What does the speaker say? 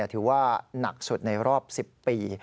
ถือว่าหนักสุดในรอบ๑๐ปี